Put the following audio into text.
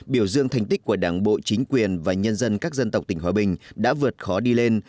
biểu dương thành tích của đảng bộ chính quyền và nhân dân các dân tộc tỉnh hòa bình đã vượt khó đi lên